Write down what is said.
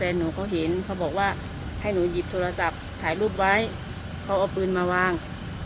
แต่หนูก็เห็นเขาบอกว่าให้หนูหยิบโทรศัพท์ถ่ายรูปไว้เขาเอาปืนมาวาง